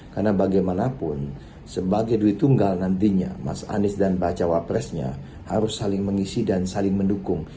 karena bagaimanapun sebagai duit tunggal nantinya mas anies dan bacawa presnya harus saling mengisi dan saling mendukung